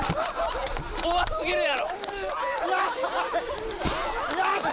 怖すぎるやろ屋敷！